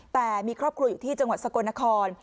แต่มีครอบครัวอยู่ที่จังหวัดสกลนคร